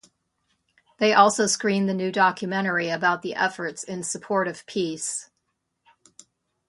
They also screened the new documentary about the efforts in support of peace.